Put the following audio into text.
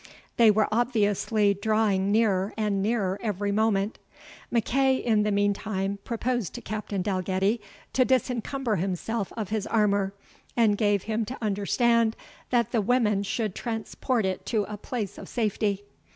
They were obviously drawing nearer and nearer every moment. MacEagh, in the meantime, proposed to Captain Dalgetty to disencumber himself of his armour, and gave him to understand that the women should transport it to a place of safety.